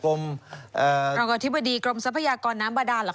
รองอธิบดีกรมทรัพยากรน้ำบาดานเหรอค